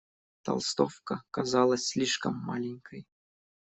Толстовка казалась слишком маленькой.